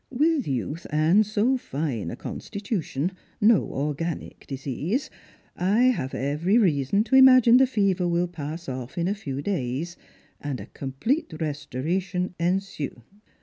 With youth, and so fine a constitution — no organic disease — I have every reason to imagine the fever will pass off in a few days, and a complete restoration ensue.